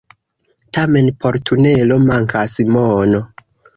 Tamen por tunelo mankas mono.